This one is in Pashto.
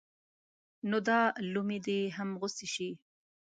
نو دا لومې دې هم غوڅې شي.